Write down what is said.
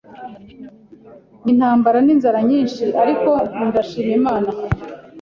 n’intambara n’inzara nyinshi ariko ndashima Imana